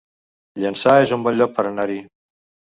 Llançà es un bon lloc per anar-hi